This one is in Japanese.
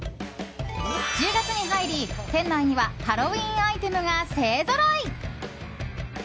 １０月に入り、店内にはハロウィーンアイテムが勢ぞろい。